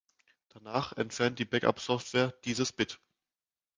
Danach entfernt die Backup-Software dieses Bit.